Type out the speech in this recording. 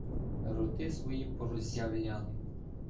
Роти свої пороззявляли